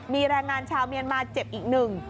มีแรงงานชาวเมียนมาเจ็บอีกหนึ่ง